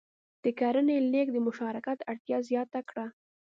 د کرنې لېږد د مشارکت اړتیا زیاته کړه.